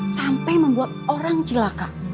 sampai membuat orang cilaka